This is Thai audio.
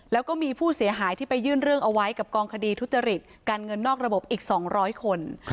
แล้วก็มีผู้เสียหายที่ไปยื่นเรื่องเอาไว้กับกองคดีทุจริตการเงินนอกระบบอีก๒๐๐คน